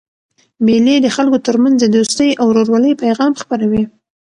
مېلې د خلکو ترمنځ د دوستۍ او ورورولۍ پیغام خپروي.